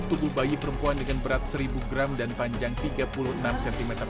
tubuh bayi perempuan dengan berat seribu gram dan panjang tiga puluh enam cm tersebut dalam kondisi lebam